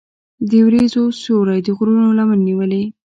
د وریځو سیوری د غرونو لمن نیولې.